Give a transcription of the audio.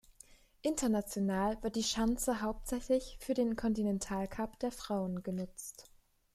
International wird die Schanze hauptsächlich für den Continental-Cup der Frauen genutzt.